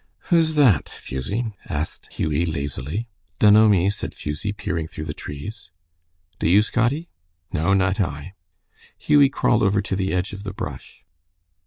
"Who's that, Fusie?" asked Hughie, lazily. "Dunno me," said Fusie, peering through the trees. "Do you, Scotty?" "No, not I." Hughie crawled over to the edge of the brush.